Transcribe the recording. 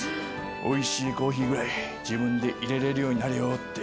おいしいコーヒーぐらい自分で入れれるようになれよって。